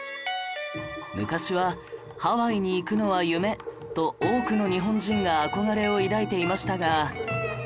昔はハワイに行くのは夢と多くの日本人が憧れを抱いていましたが